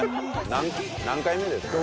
何回目ですか？